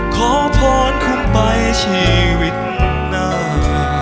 ขอพรคุณไปชีวิตหน้า